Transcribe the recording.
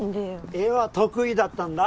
絵は得意だったんだ。